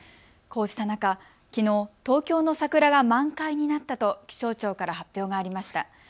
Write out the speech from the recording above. こうした中、きのう東京の桜が満開になったと気象庁から発表がありました。